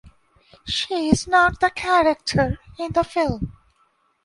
She is not the character in the film.